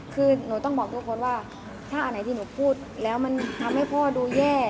คือหนูต้องบอกทุกคนว่าถ้าอันไหนที่หนูพูดแล้วมันทำให้พ่อดูแย่